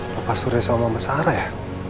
papa surya sama mama sarah ya